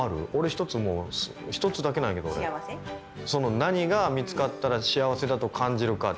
何が見つかったら幸せだと感じるか。